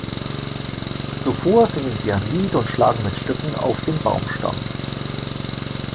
Zuvor singen sie ein Lied und schlagen mit Stöcken auf den Baumstamm.